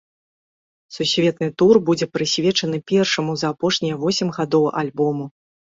Сусветны тур будзе прысвечаны першаму за апошнія восем гадоў альбому.